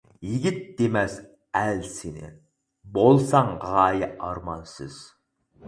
يىگىت دېمەس ئەل سېنى، بولساڭ غايە، ئارمانسىز.